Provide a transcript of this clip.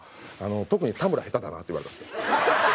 「特に田村下手だな」って言われたんですよ。